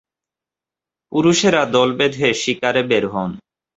পুরুষেরা দল বেঁধে শিকারে বের হন।